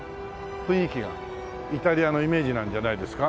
イタリアのイメージなんじゃないですか？